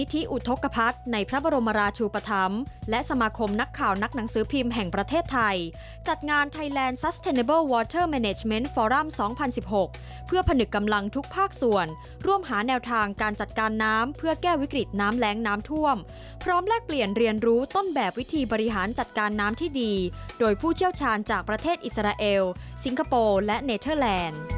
ติดตามเรื่องนี้จากรายงานค่ะ